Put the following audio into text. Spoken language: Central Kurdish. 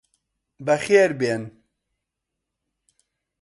بەخێربێن.